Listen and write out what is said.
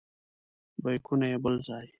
بیکونه یې بل ځای.